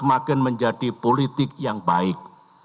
makin menjadi politik yang baik